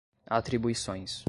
atribuições